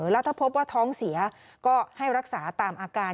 แล้วถ้าพบว่าท้องเสียก็ให้รักษาตามอาการ